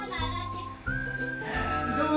どう？